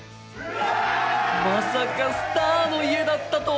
まさかスターの家だったとは！